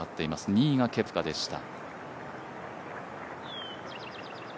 ２位がケプカでした。